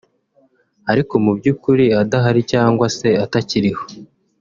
ariko mu by’ukuri adahari cyangwa se atakiriho